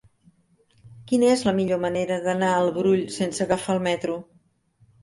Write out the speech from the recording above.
Quina és la millor manera d'anar al Brull sense agafar el metro?